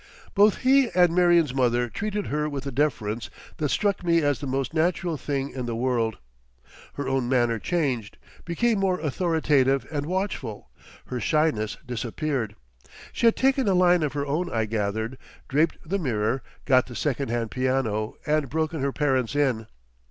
Both he and Marion's mother treated her with a deference that struck me as the most natural thing in the world. Her own manner changed, became more authoritative and watchful, her shyness disappeared. She had taken a line of her own I gathered, draped the mirror, got the second hand piano, and broken her parents in.